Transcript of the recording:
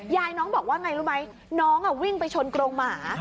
ยายน้องบอกว่าไงรู้ไหมน้องวิ่งไปชนกรงหมา